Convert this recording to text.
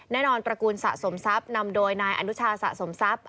ตระกูลสะสมทรัพย์นำโดยนายอนุชาสะสมทรัพย์